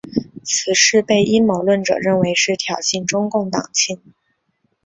此事被阴谋论者认为是挑衅中共党庆。